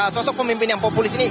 sosok pemimpin yang populis ini